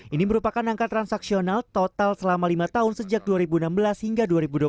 ini merupakan angka transaksional total selama lima tahun sejak dua ribu enam belas hingga dua ribu dua puluh satu